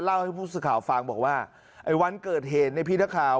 เล่าให้ผู้สุดข่าวฟังบอกว่าไอ้วันเกิดเหตุในพิทธิ์ข่าว